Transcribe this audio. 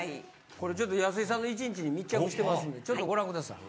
これちょっと安井さんの１日に密着してますんでちょっとご覧ください。